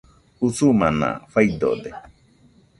Usumana faidode